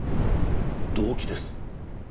動機です。